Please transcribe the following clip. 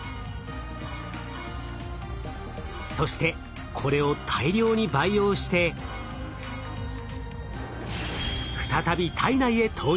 そしてこれを大量に培養して再び体内へ投入。